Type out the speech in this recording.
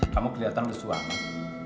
kamu kelihatan lesu amat